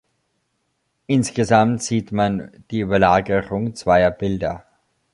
Insgesamt sieht man die Überlagerung zweier Bilder.